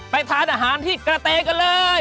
ทานอาหารที่กระเตกันเลย